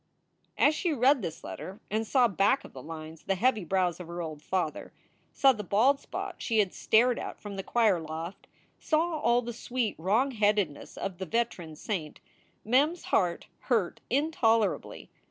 As she read this letter and saw back of the lines the heavy brows of her old father, saw the bald spot she had stared at from the choir loft, saw all the sweet wrong headedness of the veteran saint, Mem s heart hurt intolerably.